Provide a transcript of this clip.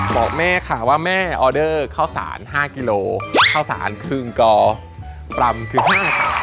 บอกแม่ค่ะว่าแม่ออเดอร์ข้าวสาร๕กิโลข้าวสารครึ่งกอกรัมคือ๕ค่ะ